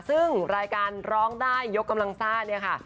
ซึ่งรายการร้องได้ยกกำลังซ่าเนี่ยค่ะ